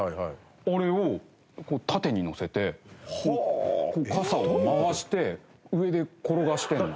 あれを縦にのせて傘を回して上で転がしてるの。